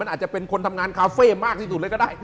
อาจจะเป็นคนทำงานคาเฟ่มากที่สุดเลยก็ได้